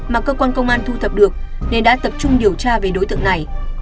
mà cơ quan công an thu thập được nên đã tập trung điều tra về đối tượng này